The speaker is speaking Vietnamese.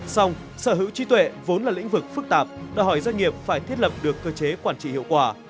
xong sở hữu trí tuệ vốn là lĩnh vực phức tạp đòi hỏi doanh nghiệp phải thiết lập được cơ chế quản trị hiệu quả